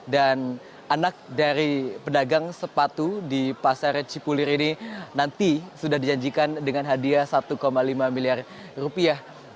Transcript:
dan anak dari pedagang sepatu di pasar cipulir ini nanti sudah dijanjikan dengan hadiah satu lima miliar rupiah